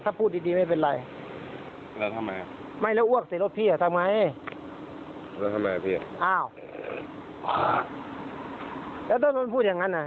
จ่ายไปร้อยร้อยเดียวนะจ่ายแค่นั้นนะ